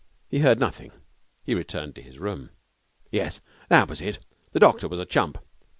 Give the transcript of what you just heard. He heard nothing. He returned to his room. Yes, that was it, the doctor was a chump.